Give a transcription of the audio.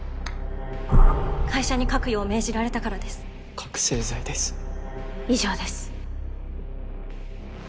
会社に書くよう命じられたから覚せい剤です以上です